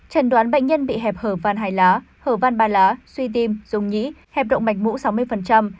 trần đoán bệnh nhân bị hẹp hở văn hai lá hở văn ba lá suy tim dùng nhĩ hẹp động mạch mũ sáu mươi